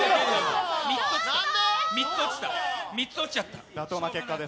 ３つ落ちちゃった。